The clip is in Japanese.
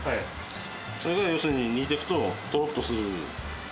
それが要するに煮ていくと、とろっとする。